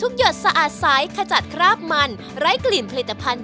แค่นี้ก็เสร็จเรียบร้อยแล้ว